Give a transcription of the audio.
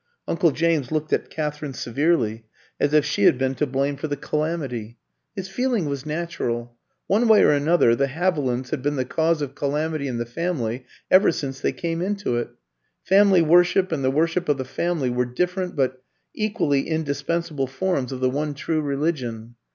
Uncle James looked at Katherine severely, as if she had been to blame for the calamity. His feeling was natural. One way or another, the Havilands had been the cause of calamity in the family ever since they came into it. Family worship and the worship of the Family were different but equally indispensable forms of the one true religion.